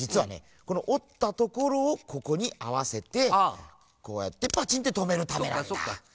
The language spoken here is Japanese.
このおったところをここにあわせてこうやってパチンッてとめるためなんだね！